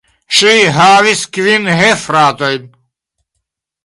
Ŝi havis kvin gefratojn.